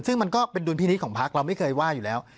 ซึ่งมันก็เป็นดุลพินิษฐ์ของพักเราไม่เคยว่าอยู่แล้ว